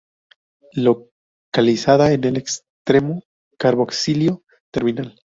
Localizada en el extremo carboxilo terminal.